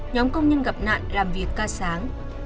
nhóm công nhân gặp nạn làm việc ca sáng